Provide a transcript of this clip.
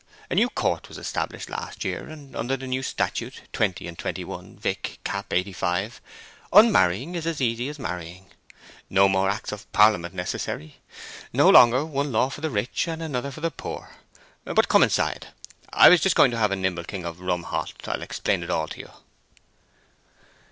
A new court was established last year, and under the new statute, twenty and twenty one Vic., cap. eighty five, unmarrying is as easy as marrying. No more Acts of Parliament necessary; no longer one law for the rich and another for the poor. But come inside—I was just going to have a nibleykin of rum hot—I'll explain it all to you."